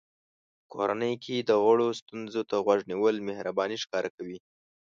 کورنۍ کې د غړو ستونزو ته غوږ نیول مهرباني ښکاره کوي.